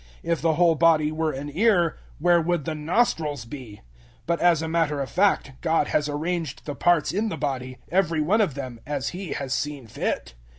If the whole body were an ear, where would the nostrils be? 012:018 But, as a matter of fact, God has arranged the parts in the body every one of them as He has seen fit.